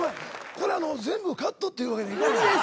これあの全部カットっていうわけにはいかないの？